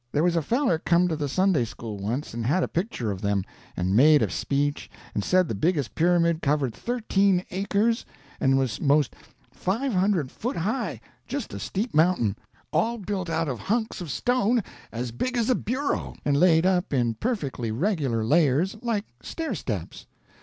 There was a feller come to the Sunday school once, and had a picture of them, and made a speech, and said the biggest pyramid covered thirteen acres, and was most five hundred foot high, just a steep mountain, all built out of hunks of stone as big as a bureau, and laid up in perfectly regular layers, like stair steps.